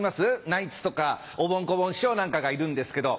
ナイツとかおぼん・こぼん師匠なんかがいるんですけど。